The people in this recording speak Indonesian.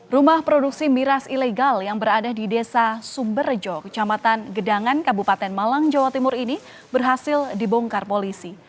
rumah produksi miras ilegal yang berada di desa sumberjo kecamatan gedangan kabupaten malang jawa timur ini berhasil dibongkar polisi